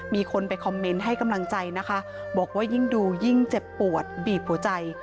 มีคนไปคอมเมนต์ให้กำลังใจนะคะบอกว่ายิ่งดูยิ่งเจ็บปวดบีบหัวใจ